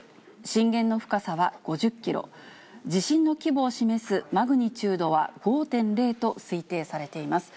震源の深さは５０キロ、地震の規模を示すマグニチュードは５．０と推定されています。